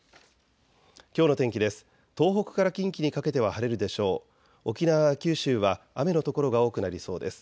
きょうの天気です。